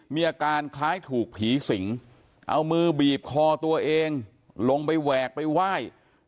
มีอาการคล้ายถูกผีสิงเอามือบีบคอตัวเองลงไปแหวกไปไหว้